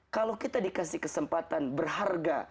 kalau kita dikasih kesempatan berharga